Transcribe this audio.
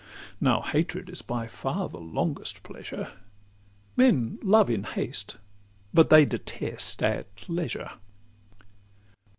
Now hatred is by far the longest pleasure; Men love in haste, but they detest at leisure.